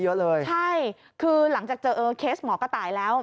ใช่คือหลังจากเจอเคสหมอกระต่ายแล้ว